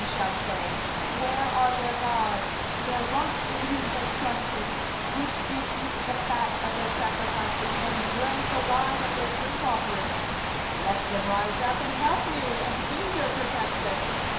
37And it is said: Where are their gods, The rock in whom they trusted; 38Who did eat the fat of their sacrifices, And drank the wine of their drink offering? Let him rise up and help you, Let him be your protection.